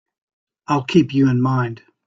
I'll keep you in mind.